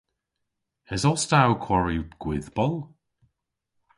Esos ta ow kwari gwydhbol?